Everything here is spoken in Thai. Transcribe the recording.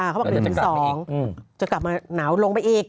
เขาบอก๑๒จะกลับมาหนาวลงไปอีก